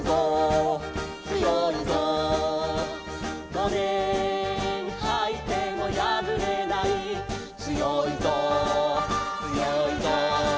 「ごねんはいてもやぶれない」「つよいぞつよいぞ」